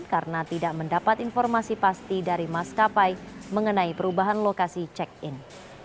karena tidak mendapat informasi pasti dari mas kapai mengenai perubahan lokasi check in